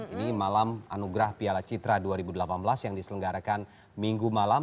ini malam anugerah piala citra dua ribu delapan belas yang diselenggarakan minggu malam